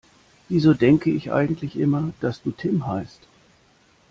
Wieso denke ich eigentlich immer, dass du Tim heißt?